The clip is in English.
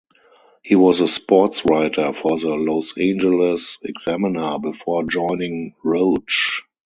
He was a sports writer for the "Los Angeles Examiner" before joining Roach.